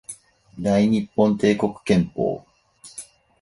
大日本帝国憲法